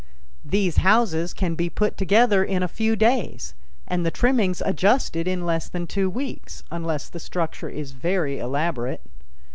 These houses can be put together in a few days and the trimmings adjusted in less than two weeks, unless the structure is very elaborate.